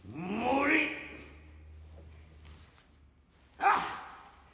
あっ。